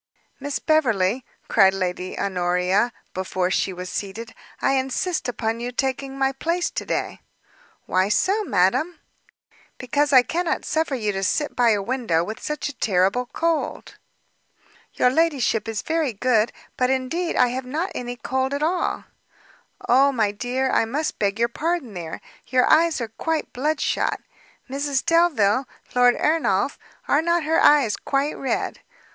"Miss Beverley," cried Lady Honoria, before she was seated, "I insist upon your taking my place to day." "Why so, madam?" "Because I cannot suffer you to sit by a window with such a terrible cold." "Your ladyship is very good, but indeed I have not any cold at all." "O my dear, I must beg your pardon there; your eyes are quite bloodshot; Mrs Delvile, Lord Ernolf, are not her eyes quite red?